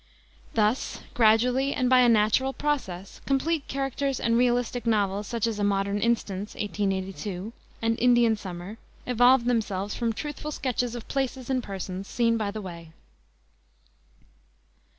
Thus, gradually and by a natural process, complete characters and realistic novels, such as A Modern Instance, 1882, and Indian Summer, evolved themselves from truthful sketches of places and persons seen by the way.